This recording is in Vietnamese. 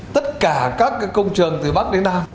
tất cả các công trường từ bắc đến nam